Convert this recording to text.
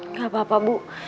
gak apa apa bu